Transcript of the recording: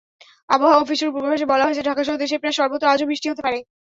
আবহাওয়া অফিসের পূর্বাভাসে বলা হয়েছে, ঢাকাসহ দেশের প্রায় সর্বত্র আজও বৃষ্টি হতে পারে।